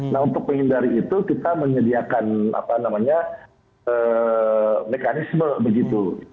nah untuk menghindari itu kita menyediakan mekanisme begitu